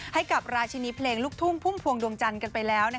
ให้รกชินิเพลงลูกทุ่งภุ่มภวงดวงจรกันไปแล้ว